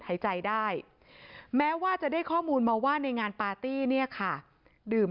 หายใจได้แม้ว่าจะได้ข้อมูลมาว่าในงานปาร์ตี้เนี่ยค่ะดื่ม